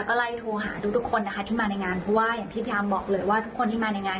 ก็ไล่โทรหาทุกคนนะคะที่มาในงานเพราะว่าอย่างที่พี่อาร์มบอกเลยว่าทุกคนที่มาในงาน